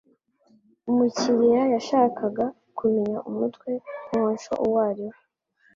Umukiriya yashakaga kumenya umutwe honcho uwo ari we.